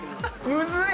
むずい！